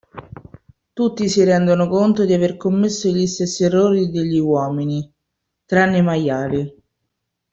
Tutti si rendono conto di aver commesso gli stessi errori degli uomini, tranne i maiali